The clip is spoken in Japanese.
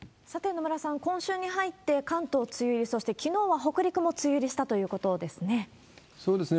野村さん、今週に入って関東梅雨入り、そしてきのうは北陸も梅雨入りしたということですね。